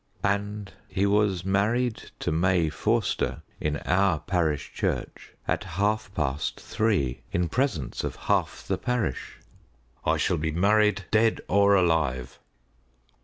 _" And he was married to May Forster in our parish church at half past three, in presence of half the parish. "_I shall be married, dead or alive!